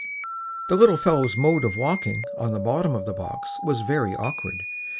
The little fellow's mode of walking on the bottom of the box was very awkward.